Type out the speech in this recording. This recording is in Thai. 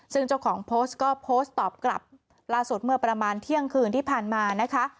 ซึ่งเจ้าของโพสต์ก็โพสต์ตอบกลับล่าสุดเมื่อประมาณเที่ยงคืนที่ผ่านมานะคะ